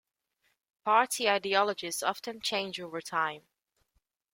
Party ideologies often change over time.